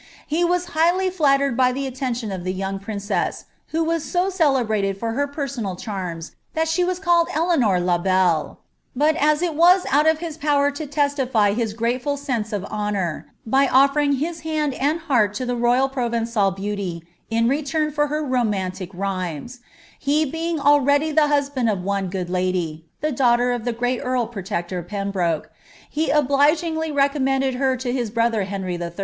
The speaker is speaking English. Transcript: He was highly flattered by the attention of the young princess, who was ■o celebrated for her personal charms that she was called Eleanor la Belle ; but as it was out of his power to testify his grateful sense of the hoQoar, by ofilering his hand and heart to the royal Provencal beauty in letam for her romantic rhymes, he being alr^y the husband of one food lady (the daughter of the great earl protector Pembroke) he obli giurij recommended her to his brother Henry 111.